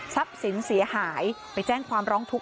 สินเสียหายไปแจ้งความร้องทุกข